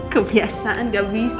kebiasaan nggak bisa